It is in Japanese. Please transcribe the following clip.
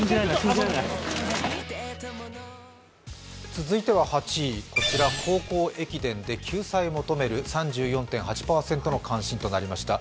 続いては８位、高校駅伝で救済を求める３４．８％の関心となりました。